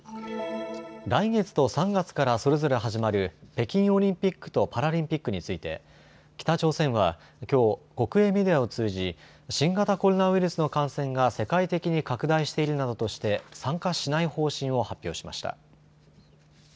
来月と３月からそれぞれ始まる北京オリンピックとパラリンピックについて北朝鮮はきょう、国営メディアを通じ新型コロナウイルスの感染が世界的に拡大しているなどとして参加しない方針を発表しました。